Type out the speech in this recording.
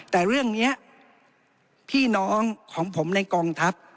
แต่เรื่องนี้พี่น้องของผมในกองทัพ